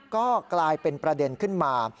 ก็กลายเป็นประเด็นขึ้นมา